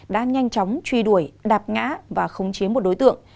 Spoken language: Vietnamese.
đã nhanh chóng truy đuổi đạp ngã và khống chế một đối tượng